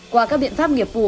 qua các biện pháp nghiệp vụ